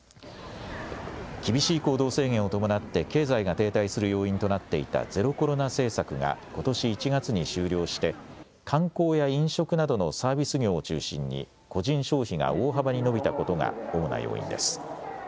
厳しい行動制限を伴って経済が停滞する要因となっていたゼロコロナ政策がことし１月に終了して、観光や飲食などのサービス業を中心に、個人消費が大幅に伸びたことが、主な要因です。